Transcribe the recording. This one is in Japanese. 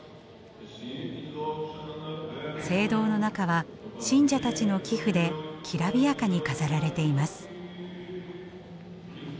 聖堂の中は信者たちの寄付できらびやかに飾られています。